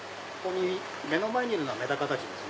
目の前にいるのはメダカたちです